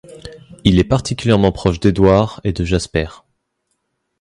Il est particulièrement proche d'Edward et de Jasper.